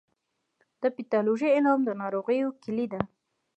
د پیتالوژي علم د ناروغیو کلي ده.